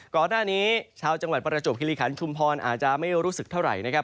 ก่อนหน้านี้ชาวจังหวัดประจวบคิริขันชุมพรอาจจะไม่รู้สึกเท่าไหร่นะครับ